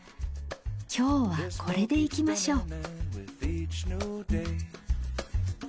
今日はこれでいきましょう。